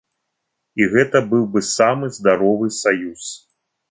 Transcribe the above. І гэта быў бы самы здаровы саюз.